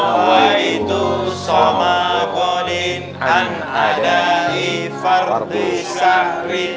nawaidu soma gudin an adai fardis sahri